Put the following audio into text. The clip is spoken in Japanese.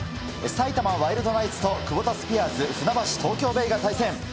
埼玉ワイルドナイツとクボタスピアーズ船橋・東京ベイが対戦。